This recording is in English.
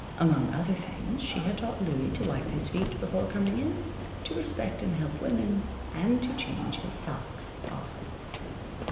Among other things she had taught Louie to wipe his feet before coming in, to respect and help women, and to change his socks often.